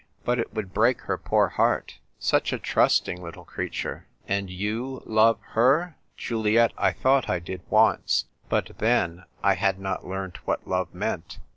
But it would break her poor heart. Such a trusting little creature !" 2l6 THE TYPE WRITER GIRL. " And you love her? "" Juliet, I thought I did once. But then, I had not learnt what love meant.